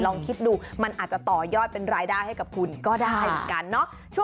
ลองคิดดูมันอาจจะต่อยอดเป็นรายได้ให้กับคุณก็ได้เหมือนกันเนาะ